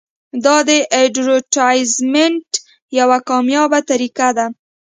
دا د اډورټایزمنټ یوه کامیابه طریقه ده.